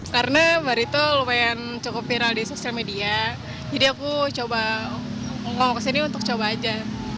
karena baru itu lumayan cukup viral di sosial media jadi aku coba ngomong kesini untuk coba aja